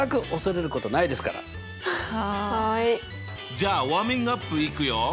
じゃあウォーミングアップいくよ。